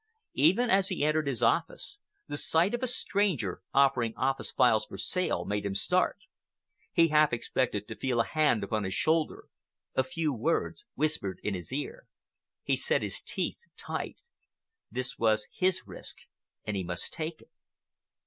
Even as he entered his office, the sight of a stranger offering office files for sale made him start. He half expected to feel a hand upon his shoulder, a few words whispered in his ear. He set his teeth tight. This was his risk and he must take it.